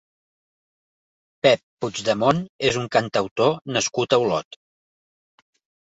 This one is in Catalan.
Pep Puigdemont és un cantautor nascut a Olot.